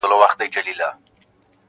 • افتخار د پښتنو به قلندر عبدالرحمن وي,